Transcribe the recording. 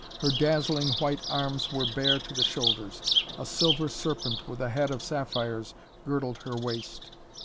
Her dazzling white arms were bare to the shoulders. A silver serpent with a head of sapphires girdled her waist.